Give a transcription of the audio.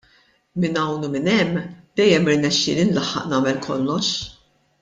Minn hawn u minn hemm dejjem irnexxieli nlaħħaq nagħmel kollox.